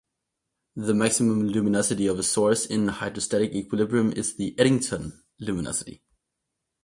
The maximum luminosity of a source in hydrostatic equilibrium is the Eddington luminosity.